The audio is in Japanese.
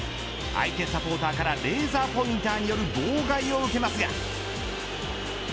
相手サポーターからレーザーポインターによる妨害を受けますが。